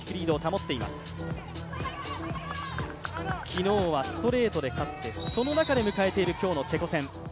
昨日はストレートで勝ってその中で迎えている今日のチェコ戦。